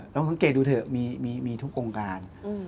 เราข้างเกดดูเถอะมีทุกโครงการ